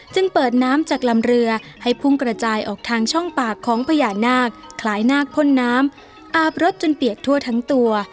จึงเปิดน้ำจากลำเรือให้พุ่งกระจายออกทางช่องปากของพญานาคคล้ายนาคพ่นน้ำอาบรถจนเปียกทั่วทั้งตัว